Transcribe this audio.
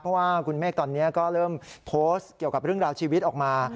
เพราะว่าคุณเมฆตอนนี้ก็เริ่มโพสต์เกี่ยวกับเรื่องราวชีวิตออกมา